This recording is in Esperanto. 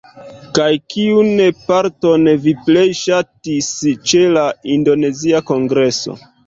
Kaj kiun parton vi plej ŝatis ĉe la indonezia kongreso?